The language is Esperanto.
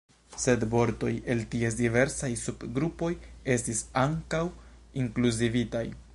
Sed vortoj el ties diversaj subgrupoj estis ankaŭ inkluzivitaj.